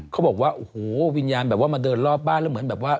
เขาบอกว่าโอ้โหวิญญาณแบบว่ามาเดินรอบบ้านแล้วเหมือนแบบว่า